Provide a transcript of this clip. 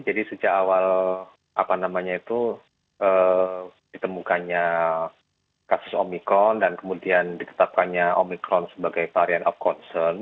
jadi sejak awal apa namanya itu ditemukannya kasus omikron dan kemudian ditetapkannya omikron sebagai varian of concern